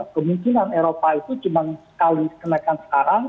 kemungkinan eropa itu cuma sekali kenaikan sekarang